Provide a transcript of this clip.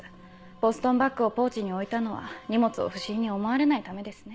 ボストンバッグをポーチに置いたのは荷物を不審に思われないためですね。